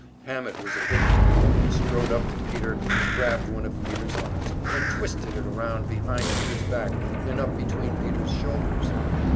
Hammett was a big fellow, and he strode up to Peter and grabbed one of Peter's arms, and twisted it around behind Peter's back and up between Peter's shoulders.